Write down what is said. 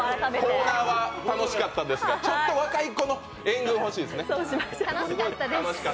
コーナーは楽しかったですが若い子の援軍が欲しいですね。